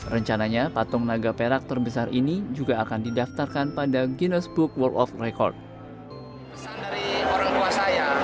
rencananya patung naga perak terbesar ini juga akan didaftarkan pada ginos book world of record